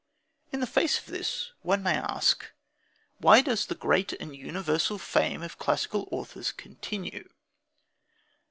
In the face of this one may ask: Why does the great and universal fame of classical authors continue?